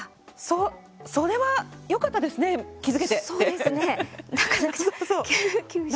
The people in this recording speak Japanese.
そ、それはよかったですね、気付けてって。